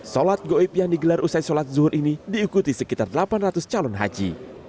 sholat goib yang digelar usai sholat zuhur ini diikuti sekitar delapan ratus calon haji